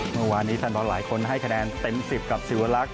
เมื่อวานนี้แฟนบอลหลายคนให้คะแนนเต็ม๑๐กับศิวลักษ